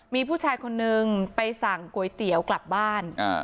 มีผู้ชายคนนึงไปสั่งก๋วยเตี๋ยวกลับบ้าน